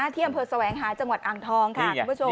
ที่อำเภอแสวงหาจังหวัดอ่างทองค่ะคุณผู้ชม